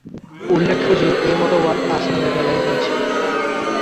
উল্লেখ্য যে, এ মতভেদ আসমানের বেলায়ও রয়েছে।